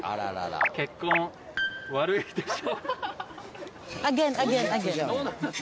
結婚、悪いでしょう。